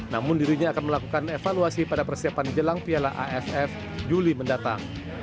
namun dirinya akan melakukan evaluasi pada persiapan jelang piala aff juli mendatang